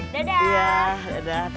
radik masih udah me